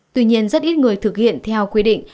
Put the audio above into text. tuy nhiên rất ít người thực hiện theo quy định